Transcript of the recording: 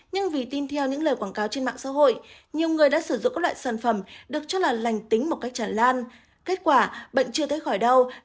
nhưng vì tin theo những lời quảng cáo trên mạng xã hội